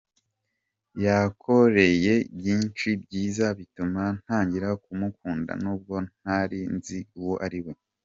yankoreye byinshi byiza bituma ntangira kumukunda nubwo ntari nzi uwo ariwe.